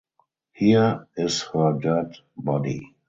Here is her dead body.